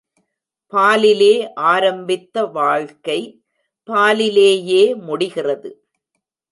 பாலிலே ஆரம்பித்த வாழ்க்கை, பாலிலேயே முடிகிறது.